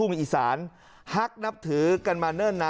และก็มีการกินยาละลายริ่มเลือดแล้วก็ยาละลายขายมันมาเลยตลอดครับ